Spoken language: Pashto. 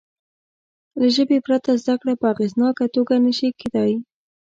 له ژبې پرته زده کړه په اغېزناکه توګه نه شي کېدای.